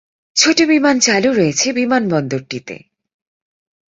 ছোট বিমান চালু রয়েছে বিমানবন্দরটিতে।